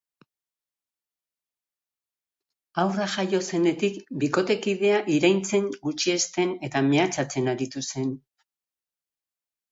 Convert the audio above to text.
Haurra jaio zenetik bikotekidea iraintzen, gutxiesten eta mehatxatzen aritu zen.